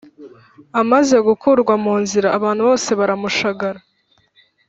Amaze gukurwa mu nzira abantu bose baramushagara